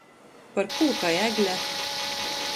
Par kū kai egle?